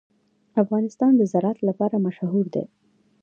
افغانستان د زراعت لپاره مشهور دی.